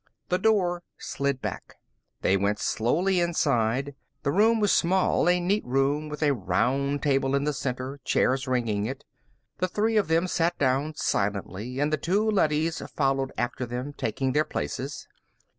The door slid back. They went slowly inside. The room was small, a neat room with a round table in the center, chairs ringing it. The three of them sat down silently, and the two leadys followed after them, taking their places.